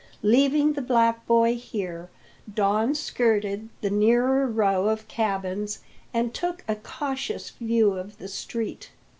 Leaving the black boy here, Don skirted the nearer row of cabins and took a cautious view of the street.